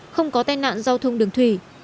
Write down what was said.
không có tai nạn giao thông đường thủy